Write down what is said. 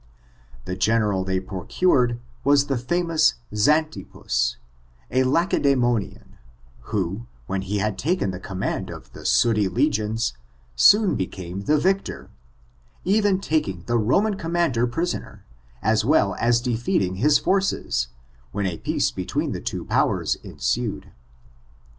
The general they procured was the famous Zantippus^ a I^ce demonian, who, when he had taken the command of tlie sooty legions, soon became the victor, even tak ing the Roman commander prisoner, as well as de feating his forces, when a peace between the two powers ensued.